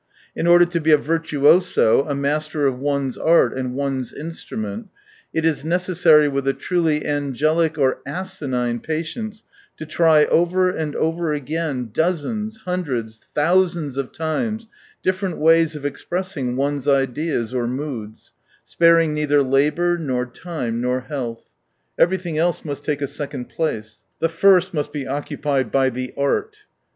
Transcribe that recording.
In order to be a virtuoso, a master of one's art and one's instrument, it is necessary with a truly angelic or asinine patience to try over and over again, dozens, hundreds, thousands of times, different ways of expressing one's ideas or moods, sparing neither labour, nor time, nor health. Everything else must take a second place. The first must be occupied by " the Art."